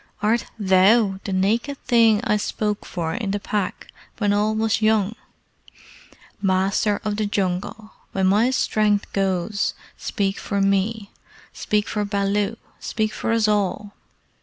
"Art THOU the naked thing I spoke for in the Pack when all was young? Master of the Jungle, when my strength goes, speak for me speak for Baloo speak for us all!